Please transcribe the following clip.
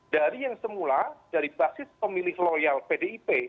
dari yang semula dari basis pemilih loyal pdip